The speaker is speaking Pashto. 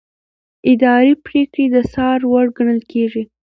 اداري پریکړې د څار وړ ګڼل کېږي.